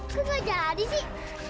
kenapa paman kok jadi sih